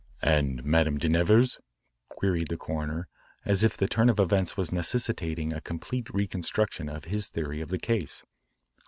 "And Madame de Nevers? "queried the coroner, as if the turn of events was necessitating a complete reconstruction of his theory of the case.